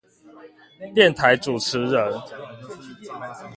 電台主持人